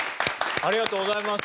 ありがとうございます。